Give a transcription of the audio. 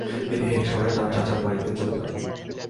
তিনি হেগ শহরে তার চাচার বাড়িতে চলে যান।